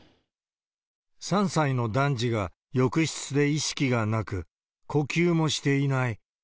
３歳の男児が浴室で意識がなく、呼吸もしていない。